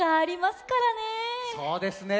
そうですね。